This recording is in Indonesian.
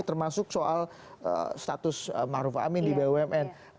termasuk soal status maruf amin di bumn